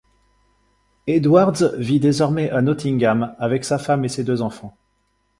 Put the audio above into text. Edwards vit désormais à Nottingham avec sa femme et ses deux enfants.